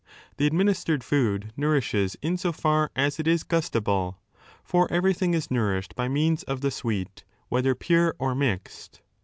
The administered food nourishes in 442 a so far as it is gustable. For everything is nourished by means of the sweet, whether pure or mixed.